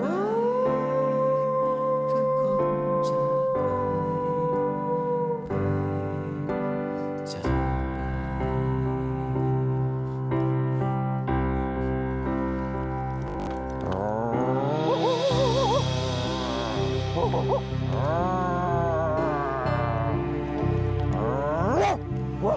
ทุกคนจะไปทุกคนจะไปไปจะไป